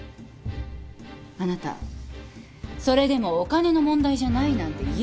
あなたそれでもお金の問題じゃないなんて言えますか？